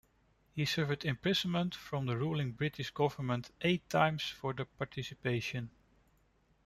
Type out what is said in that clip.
He suffered imprisonment from the ruling British government eight times for the participation.